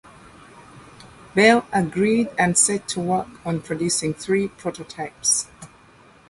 Bell agreed and set to work on producing three prototypes.